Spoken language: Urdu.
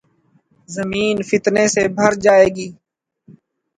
زمین فتنے سے بھر جائے گی۔